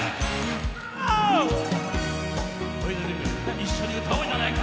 一緒に歌おうじゃないか。